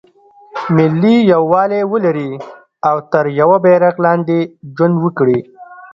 ملي یووالی ولري او تر یوه بیرغ لاندې ژوند وکړي.